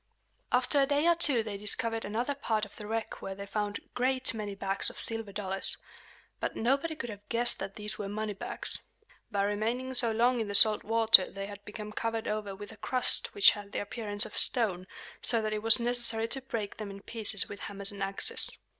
After a day or two they discovered another part of the wreck where they found a great many bags of silver dollars. But nobody could have guessed that these were money bags. By remaining so long in the salt water they had become covered over with a crust which had the appearance of stone, so that it was necessary to break them in pieces with hammers and axes.